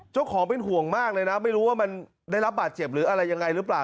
เจ้าของเป็นห่วงมากเลยนะไม่รู้ว่ามันได้รับบาดเจ็บหรืออะไรยังไงหรือเปล่า